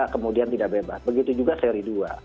kemudian tidak bebas begitu juga seri dua